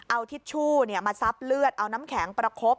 เอาทิชชู่มาซับเลือดเอาน้ำแข็งประคบ